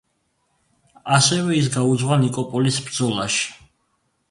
ასევე ის გაუძღვა ნიკოპოლის ბრძოლაში.